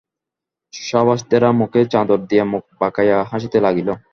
সভাসদেরা মুখে চাদর দিয়া মুখ বাঁকাইয়া হাসিতে লাগিল।